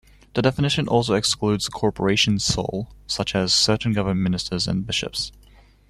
The definition also excludes "corporations sole", such as certain government ministers and bishops.